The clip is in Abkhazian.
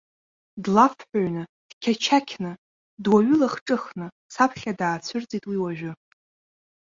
Длафҳәаҩны, дқьачақьны, дуаҩылахҿыхны саԥхьа даацәырҵит уи уажәы.